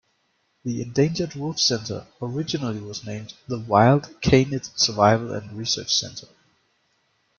The Endangered Wolf Center originally was named the Wild Canid Survival and Research Center.